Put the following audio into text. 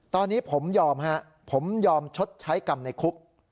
ตอนนี้ผมยอมฮะผมยอมชดใช้กรรมในคุก